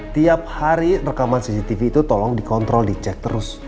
tiap hari rekaman cctv itu tolong dikontrol dicek terus